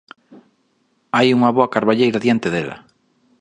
Hai unha boa carballeira diante dela.